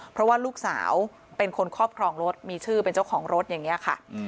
เพราะว่าลูกสาวเป็นคนครอบครองรถมีชื่อเป็นเจ้าของรถอย่างนี้ค่ะ